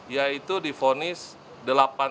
yaitu difonis delapan tahun